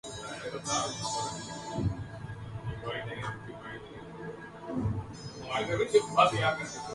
اپنی ساری برتری ہنستے کھیلتے لُٹائی جا سکتی ہے